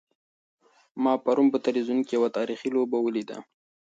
ما پرون په تلویزیون کې یوه تاریخي لوبه ولیده.